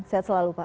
sehat selalu pak